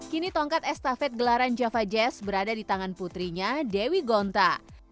kini tongkat estafet gelaran java jazz berada di tangan putrinya dewi gonta